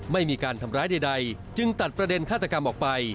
ไม่มีการทำร้ายใดจึงตัดประเด็นฆาตกรรมออกไป